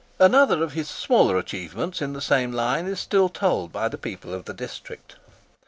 Another of his smaller achievements in the same line is still told by the people of the district.